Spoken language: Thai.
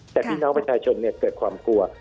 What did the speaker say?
แต่ให้เจ้าประชาชนเกิดความกลัว